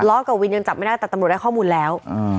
ล้อกับวินยังจับไม่ได้แต่ตำรวจได้ข้อมูลแล้ว